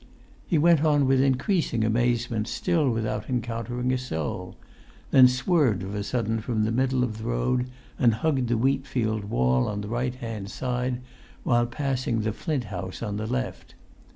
He went on with increasing amazement, still without encountering a soul; then swerved of a sudden from the middle of the road, and hugged the wheatfield wall on the right hand side while passing the Flint House on the left.